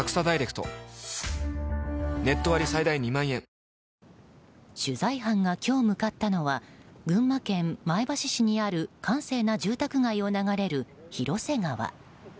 「ほんだし」で取材班が今日向かったのは群馬県前橋市にある閑静な住宅街を流れる広瀬川